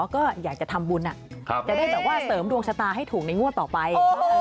ก็อยากจะทำบุญจะได้แบบว่าเสริมดวงชะตาให้ถูกในงวดต่อไป